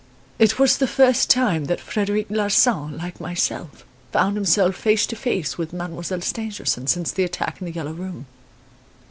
"It was the first time that Frederic Larsan, like myself, found himself face to face with Mademoiselle Stangerson since the attack in "The Yellow Room".